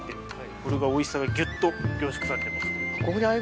これがおいしさがギュっと凝縮されてますから。